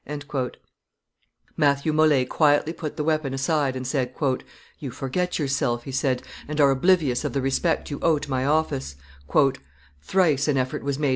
'" Matthew Mole quietly put the weapon aside, and, "You forget yourself," he said, "and are oblivious of the respect you owe to my office." "Thrice an effort was made.